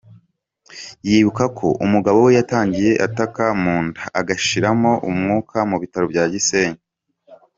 Yibuka ko umugabo we yatangiye ataka mu nda, agashiriramo umwuka mu bitaro bya Gisenyi.